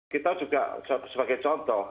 kita juga sebagai contoh